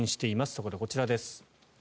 そこでこちらです。